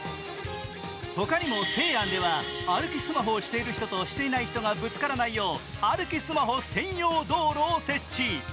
他にも西安では歩きスマホをしている人と、していない人がぶつからないよう歩きスマホ専用道路を設置。